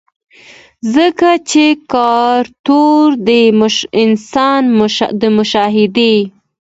ځکه چې کلتور د انسان د مشاهدې